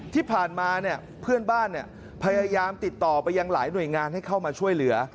ที่ผ่านมาเพื่อนบ้านพยายามติดต่อไปยังหลายหน่วยงานให้เข้ามาช่วยเหลือ